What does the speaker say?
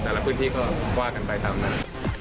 กับแต่ละพื้นที่ก็ว่ากันไปตามนี้